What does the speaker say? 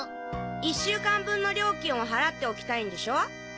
１週間分の料金を払っておきたいんでしょ？